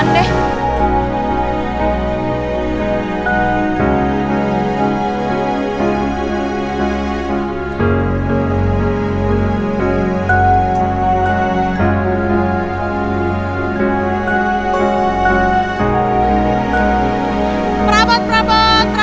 nunggu di mana